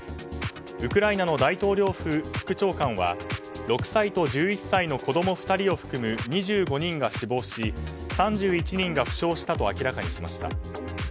ウクライナの大統領府副長官は６歳と１１歳の子供２人を含む２５人が死亡し３１人が負傷したと明らかにしました。